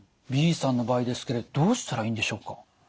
Ｂさんの場合ですけれどどうしたらいいんでしょうか？